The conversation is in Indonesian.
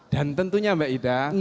dan tentunya maida